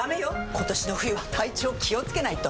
今年の冬は体調気をつけないと！